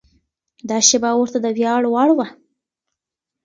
دا شېبه ورته د ویاړ وړ وه.